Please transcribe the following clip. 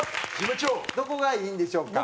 どこがいいんでしょうか？